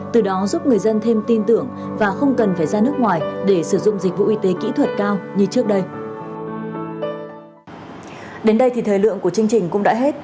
từ đó giúp người dân thêm tin tưởng và không cần phải ra nước ngoài để sử dụng dịch vụ y tế kỹ thuật cao như trước đây